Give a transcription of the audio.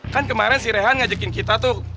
kan kemarin sih rehan ngajakin kita tuh